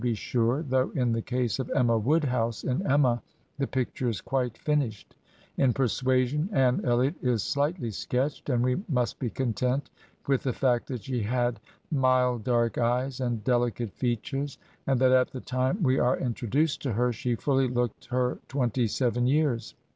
be sure, though in the case of Emma Woodhouse, in ''EmSnaTTHeprctureTrqilrt^ ArmrKiiot IS Slightly " ske t ull t x tr^tnd we must be content with the fact that she had " mild dark eyes and delicate features," and that at the time we are introduced to her she fully looked her twenty seven years.